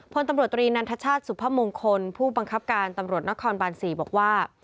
พลตำรวจตรีนันทชาติสุพมงคลผู้บังคับการตำรวจนครบาน๔บอกว่า